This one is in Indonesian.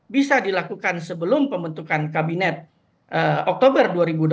bisa dilakukan sebelum pembentukan kabinet oktober dua ribu dua puluh